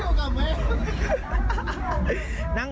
ขอถุงไปหนึ่ง